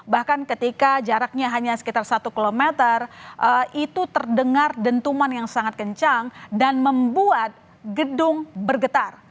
bahkan ketika jaraknya hanya sekitar satu km itu terdengar dentuman yang sangat kencang dan membuat gedung bergetar